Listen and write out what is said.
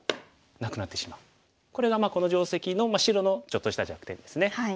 これがこの定石の白のちょっとした弱点ですね。